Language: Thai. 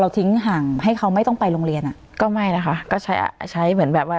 ทิ้งห่างให้เขาไม่ต้องไปโรงเรียนอ่ะก็ไม่นะคะก็ใช้อ่ะใช้เหมือนแบบว่า